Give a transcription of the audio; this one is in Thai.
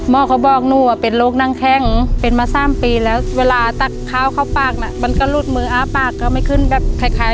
เจ็บปวดเหมือนเข็มทิ้มทั่วร่างมาสามปี